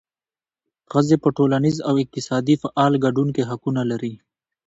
ښځې په ټولنیز او اقتصادي فعال ګډون کې حقونه لري.